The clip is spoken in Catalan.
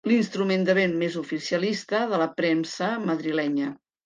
L'instrument de vent més oficialista de la premsa madrilenya.